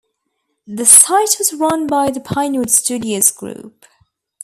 The site was run by the Pinewood Studios Group.